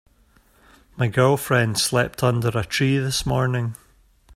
My girlfriend slept under a tree this morning.